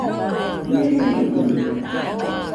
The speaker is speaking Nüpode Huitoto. Mirɨño ɨnɨde.